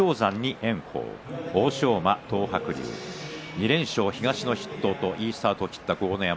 ２連勝、東の筆頭でいいスタートを切った豪ノ山。